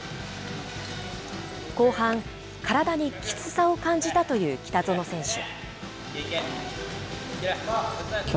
後半、体にきつさを感じたという北園選手。